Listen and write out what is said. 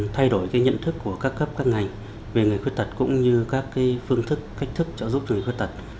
thay đổi nhận thức của các cấp các ngành về người khuyết tật cũng như các phương thức cách thức trợ giúp cho người khuyết tật